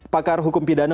pakar hukum pidana